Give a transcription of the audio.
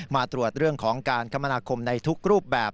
มาตรวจเรื่องของการคมนาคมในทุกรูปแบบ